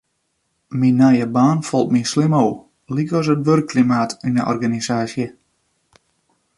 Myn nije baan falt my slim ôf, lykas it wurkklimaat yn de organisaasje.